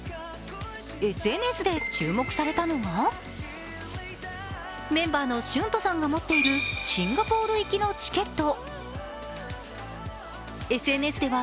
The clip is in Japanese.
ＳＮＳで注目されたのがメンバーのＳＨＵＮＴＯさんが持っているシンガポール行きのチケット。